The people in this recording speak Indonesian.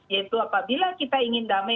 yaitu apabila kita ingin damai